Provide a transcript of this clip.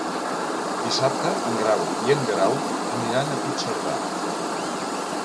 Dissabte en Grau i en Guerau aniran a Puigcerdà.